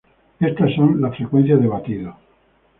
Estas son las frecuencias de batido.